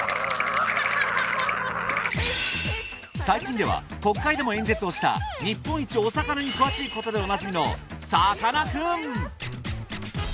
最近では国会でも演説をした日本一お魚に詳しいことでおなじみのさかなクン！